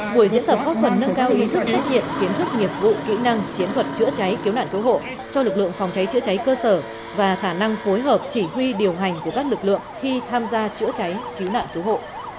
buổi diễn tập góp phần nâng cao ý thức trách nhiệm kiến thức nghiệp vụ kỹ năng chiến thuật chữa cháy cứu nạn cứu hộ cho lực lượng phòng cháy chữa cháy cơ sở và khả năng phối hợp chỉ huy điều hành của các lực lượng khi tham gia chữa cháy cứu nạn cứu hộ